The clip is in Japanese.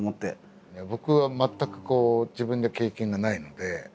僕は全くこう自分で経験がないので。